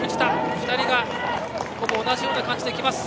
２人がほぼ同じような感じで来ました。